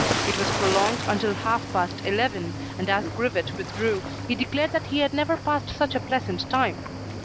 It was prolonged until half past eleven, and as Grivet withdrew, he declared that he had never passed such a pleasant time.